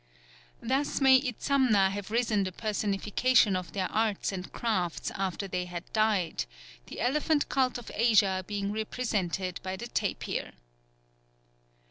Thus may Itzamna have risen the personification of their arts and crafts after they had died, the elephant cult of Asia being represented by the tapir.